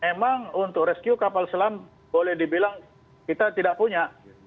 emang untuk rescue kapal selam boleh dibilang kita tidak punya